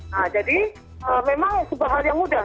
nah jadi memang sebuah hal yang mudah